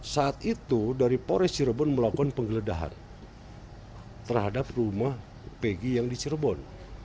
saat itu dari polres cirebon melakukan penggeledahan terhadap rumah pegi yang di cirebon